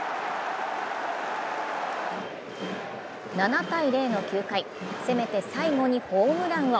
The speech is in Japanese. ７−０の９回、せめて最後にホームランを！